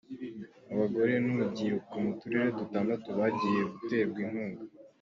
Abagore n’urubyiruko mu turere dutandatu bagiye guterwa inkunga